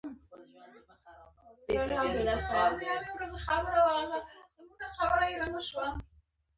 د امفیلوفوټرایکس فلاجیل لرونکو باکتریاوو په نوم یادیږي.